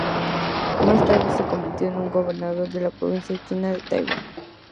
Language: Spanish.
Más tarde se convirtió en gobernador de la provincia china de Taiwán.